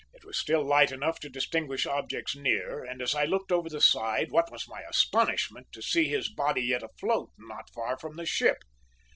"It was still light enough to distinguish objects near, and as I looked over the side, what was my astonishment to see his body yet afloat, not far from the ship.